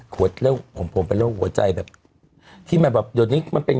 ขวดแล้วผมผมไปเล่าหัวใจแบบที่มันแบบโดยนี้มันเป็น